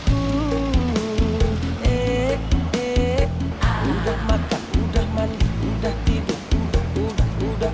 udah makan udah mandi udah tidur udah udah udah